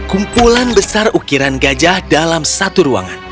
kumpulan besar ukiran gajah dalam satu ruangan